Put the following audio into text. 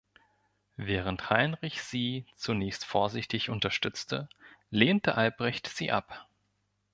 Während Heinrich sie, zunächst vorsichtig, unterstützte, lehnte Albrecht sie ab.